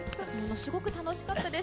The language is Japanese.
すごく楽しかったです。